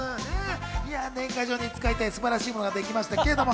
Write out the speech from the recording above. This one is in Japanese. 年賀状に使いたい素晴らしいものができました。